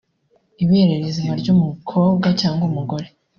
Ibere rizima ry’umukobwa cyangwa umugore